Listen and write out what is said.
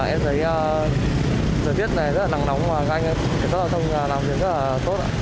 em thấy giờ viết này rất là nắng nóng và các anh giao thông làm việc rất là tốt